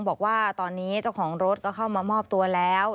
บอกว่าตอนนี้เจ้าของรถก็เข้ามามอบตัวแล้ว